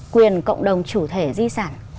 quyền cộng đồng chủ thể di sản